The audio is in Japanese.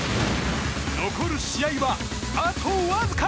残る試合は、あとわずか。